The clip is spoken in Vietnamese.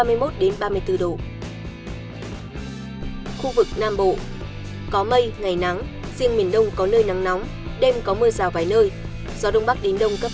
khu vực nam bộ có mây ngày nắng riêng miền đông có nơi nắng nóng đêm có mưa rào vài nơi gió đông bắc đến đông cấp bốn